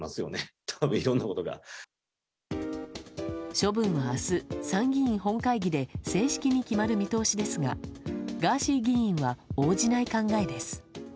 処分は明日、参議院本会議で正式に決まる見通しですがガーシー議員は応じない考えです。